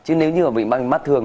chứ nếu như mà bị mắt thường